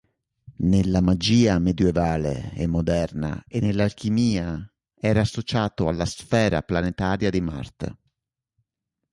Nella magia medioevale e moderna e nell'alchimia era associato alla sfera planetaria di Marte.